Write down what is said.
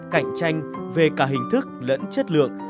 cạnh tranh về cả hình thức lẫn chất lượng